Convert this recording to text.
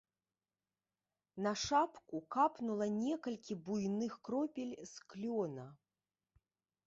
На шапку капнула некалькі буйных кропель з клёна.